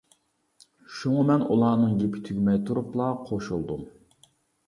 شۇڭا مەن ئۇلارنىڭ گېپى تۈگىمەي تۇرۇپلا قوشۇلدۇم.